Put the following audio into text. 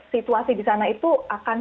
situasi di sana itu akan